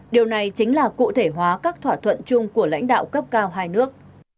điều này chính là cụ thể hóa các thỏa thuận chung của lãnh đạo cấp cao hai nước